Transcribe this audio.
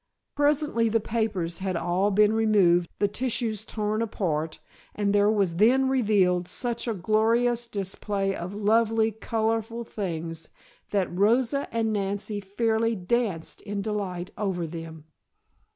Presently the papers had all been removed, the tissues torn apart, and there was then revealed such a gorgeous display of lovely, colorful things, that Rosa and Nancy fairly danced in delight over them.